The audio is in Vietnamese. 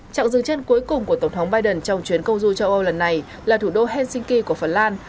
trạng dừng chân cuối cùng của tổng thống biden trong chuyến công du châu âu lần này là thủ đô helsinki của phần lan